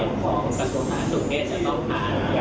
อาจจะเป็นเบื้องต่อโลกพิษสุนักบ้าหรือหาจะเป็นสายพันธุ์ใหม่